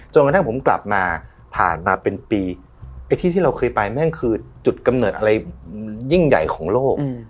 กระทั่งผมกลับมาผ่านมาเป็นปีไอ้ที่ที่เราเคยไปแม่งคือจุดกำเนิดอะไรยิ่งใหญ่ของโลก